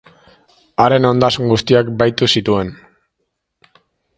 Haren ondasun guztiak bahitu zituen.